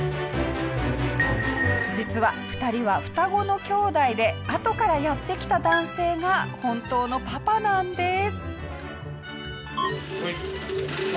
実は２人は双子の兄弟であとからやって来た男性が本当のパパなんです。